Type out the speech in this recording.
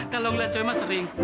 kalau liat cewek mah sering